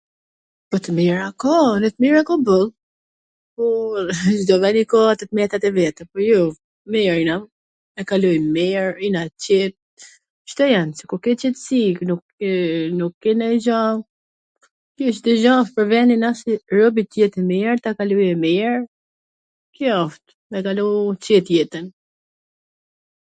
Po t mira ka, dhe t mira ka boll, po edhe Cdo ven i ka ato t metat e veta, por jo, mir jena, e kalojm mir, jena t qet, kto jan, se kur ke qetsi, nuk ke nuk ke nanj gja, thjesht Cdo gja asht pwr venin robi t jet mir, ta kaloj mir, kjo asht, me kalu qet jetwn